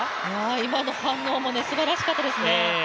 今の反応もすばらしかったですね。